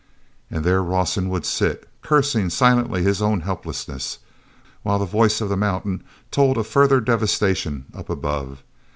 And there Rawson would sit, cursing silently his own helplessness, while the voice of the mountain told of further devastation up above.